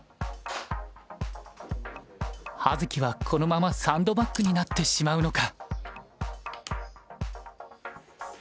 葉月はこのままサンドバッグになってしまうのか。